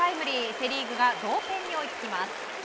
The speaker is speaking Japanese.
セ・リーグが同点に追いつきます。